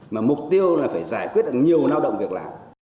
mục tiêu là phải giải quyết nhiều lao động việc làm